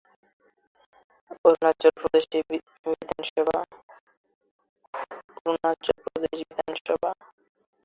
Arunachal Pradesh Vidhan Sabha